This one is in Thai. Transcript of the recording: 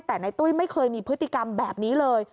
แต่ในตุ้ยไม่เคยมีพฤติกรรมแบบนี้เลย